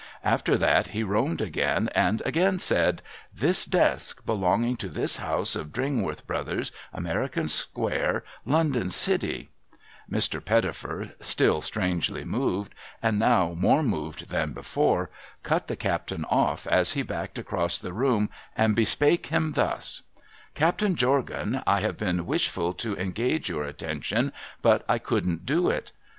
After that be roamed again, and again said, ' This desk, belonging to this house of Dringworth I'rotbers, America square, London City ' Mr. Pettifer, still strangely moved, and now more moved than before, cut the captain off as he backed across the room, and bespake him thus :—' Captain Jorgan, I have been wishful to engage your attention, but I couldn't do it.